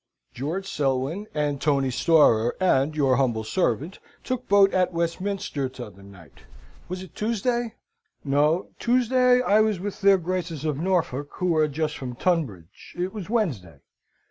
George Selwyn and Tony Storer and your humble servant took boat at Westminster t'other night. Was it Tuesday? no, Tuesday I was with their Graces of Norfolk, who are just from Tunbridge it was Wednesday.